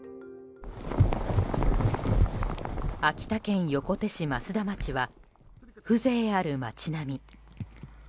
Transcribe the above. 秋田県横手市増田町は風情ある街並み。